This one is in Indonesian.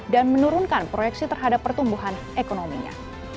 dan menurunkan proyeksi terhadap pertumbuhan ekonominya